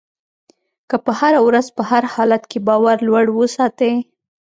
که په هره ورځ په هر حالت کې باور لوړ وساتئ.